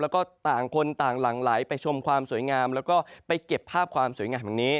แล้วก็ต่างคนต่างหลั่งไหลไปชมความสวยงามแล้วก็ไปเก็บภาพความสวยงามแบบนี้